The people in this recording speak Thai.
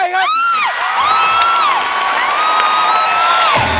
ร่วมสาม